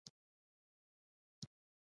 خان رسول خان کره پيدا شو ۔